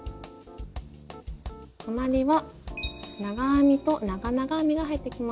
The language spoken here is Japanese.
隣は長編みと長々編みが入ってきます。